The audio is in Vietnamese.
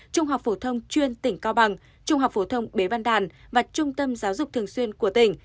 trung học phổ thông chuyên tỉnh cao bằng trung học phổ thông bế văn đàn và trung tâm giáo dục thường xuyên của tỉnh